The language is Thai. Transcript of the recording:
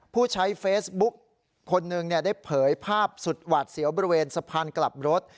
ผู้ใช้เฟซบุ๊กคนหนึ่งได้เผยภาพสุดหวาดเสียวบริเวณสะพานกลับรถ